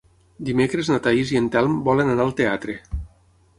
Dimecres na Thaís i en Telm volen anar al teatre.